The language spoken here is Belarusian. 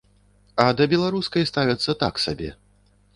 А да беларускай ставяцца так сабе.